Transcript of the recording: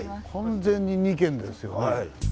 完全に２軒ですよね。